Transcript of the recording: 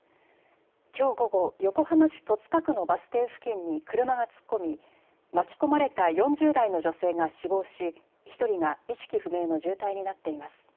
きょう午後、横浜市戸塚区のバス停付近に車が突っ込み、巻き込まれた４０代の女性が死亡し、１人が意識不明の重体になっています。